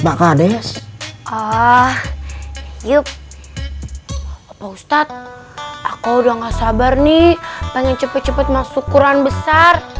pak hades ah yup ustadz aku udah nggak sabar nih pengen cepet cepet masuk kurang besar